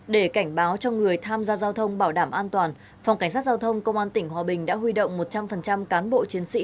để cảnh báo cho người tham gia giao thông bảo đảm an toàn phòng cảnh sát giao thông công an tỉnh hòa bình đã huy động một trăm linh cán bộ chiến sĩ